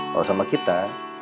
kalau sama kita